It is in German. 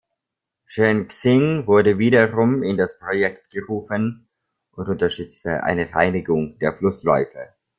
Chen Xing wurde wiederum in das Projekt gerufen und unterstützte eine Reinigung der Flussläufe.